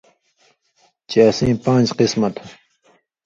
چے اسیں پان٘ژ قِسمہ تھو۔